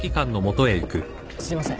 すいません。